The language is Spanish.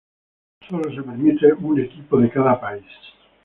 Sólo se permite un equipo de cada país.